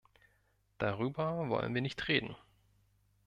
Darüber wollen wir nicht reden.